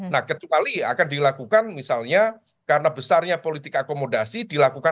nah kecuali akan dilakukan misalnya karena besarnya politik akomodasi dilakukan